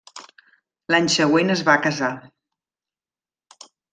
L'any següent, es va casar.